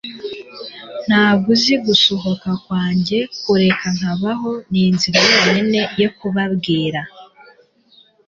ntabwo uzi gusohoka kwanjye, kureka nkabaho ninzira yonyine yo kubabwira